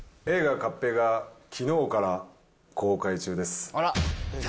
映画、カッペイがきのうから公開中です。